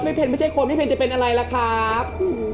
ถ้าพี่เพ็ญไม่ใช่คนพี่เพ็ญจะเป็นอะไรล่ะครับ